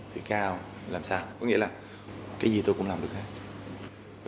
tự cao làm sao có nghĩa là cái gì tôi cũng làm được hết